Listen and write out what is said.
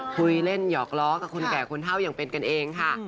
คุยเล่นหยอกล้อกับคนแก่คนเท่าอย่างเป็นกันเองค่ะ